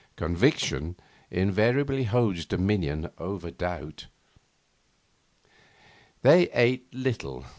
Conviction invariably holds dominion over doubt. They ate little.